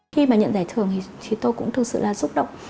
khi mà nhận giải thưởng thì tôi cũng thực sự là xúc động